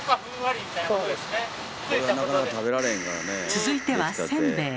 続いてはせんべい。